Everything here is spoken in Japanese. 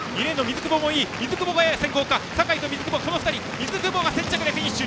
水久保が先着でフィニッシュ。